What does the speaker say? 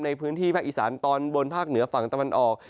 ในพื้นที่ภาคอีสานตอนบนภาคเหนือฝั่งตะวันออก